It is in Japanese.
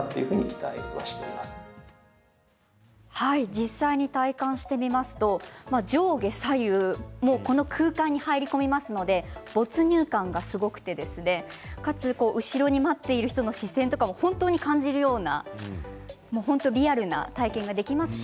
実際に体感してみますと上下左右空間に入り込みますので没入感がすごくてかつ、後ろに待っている人の視線も本当に感じるようなリアルな体験ができます。